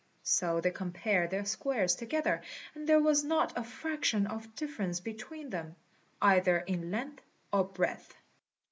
So they compared their squares together, and there was not a fraction of difference between them, either in length or breadth.